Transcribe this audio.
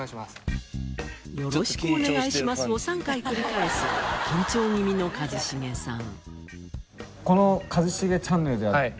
「よろしくお願いします」を３回繰り返す緊張気味の一茂さん。